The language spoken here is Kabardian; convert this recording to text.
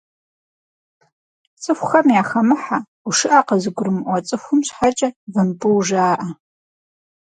Цӏыхухэм яхэмыхьэ, гушыӏэ къызыгурымыӏуэ цӏыхум щхьэкӏэ вымпӏу жаӏэ.